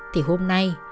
thì hôm nay